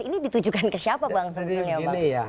ini ditujukan ke siapa bang sebenarnya